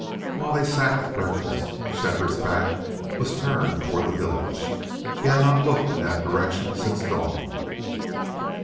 While they sat at breakfast Shefford's back was turned toward the village he had not looked in that direction since dawn.